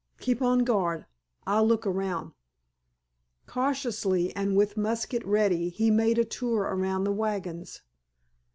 "Keep on guard. I'll look around." Cautiously and with musket ready he made a tour around the wagons.